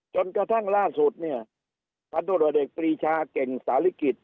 จนกระทั่งล่าสุดเนี่ยพันธุรกิจปรีชาเก่งสาริกิจ